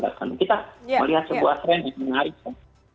kita melihat sebuah tren yang menarik